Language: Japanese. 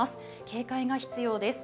警戒が必要です。